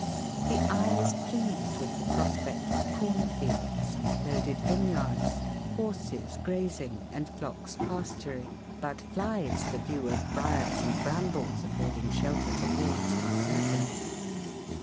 The eye is pleased with the prospect of corn fields and loaded vine yards; horses grazing, and flocks pasturing: but flies the view of briars and brambles, affording shelter to wolves and serpents.